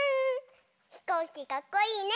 ひこうきかっこいいね！